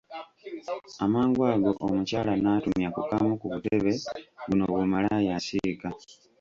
Amangu ago omukyala n’atumya ku kamu ku butebe buno bu malaaya asiika.